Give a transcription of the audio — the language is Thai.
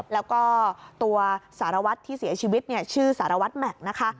แล้วก็ตัวสารวัฒน์ที่เสียชีวิตชื่อสารวัฒน์แม็ก